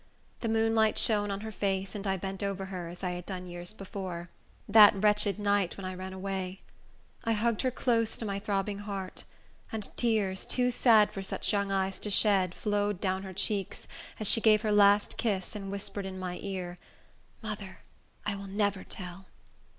The moonlight shone on her face, and I bent over her, as I had done years before, that wretched night when I ran away. I hugged her close to my throbbing heart; and tears, too sad for such young eyes to shed, flowed down her cheeks, as she gave her last kiss, and whispered in my ear, "Mother, I will never tell."